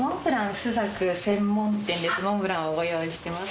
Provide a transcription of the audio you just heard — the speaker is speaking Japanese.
モンブランをご用意してます。